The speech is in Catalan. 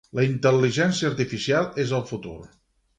La intel·ligència artificial és el futur.